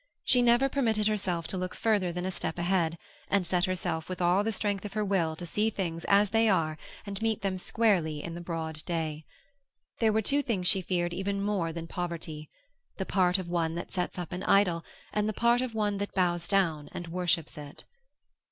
She never permitted herself to look further than a step ahead, and set herself with all the strength of her will to see things as they are and meet them squarely in the broad day. There were two things she feared even more than poverty: the part of one that sets up an idol and the part of one that bows down and worships it.